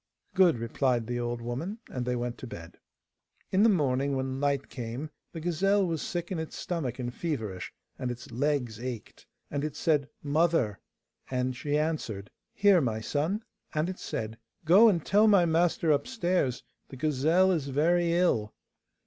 'Good,' replied the old woman, and they went to bed. In the morning, when light came, the gazelle was sick in its stomach and feverish, and its legs ached. And it said 'Mother!' And she answered, 'Here, my son?' And it said, 'Go and tell my master upstairs the gazelle is very ill.